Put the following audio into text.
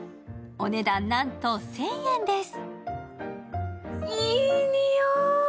お値段なんと１０００円です。